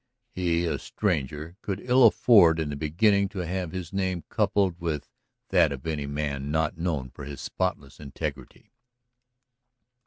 He, a stranger, could ill afford in the beginning to have his name coupled with that of any man not known for his spotless integrity.